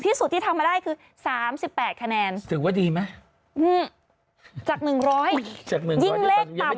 ที่สุดที่ทำมาได้คือ๓๘คะแนนถือว่าดีไหมจาก๑๐๐ยิ่งเลขต่ำ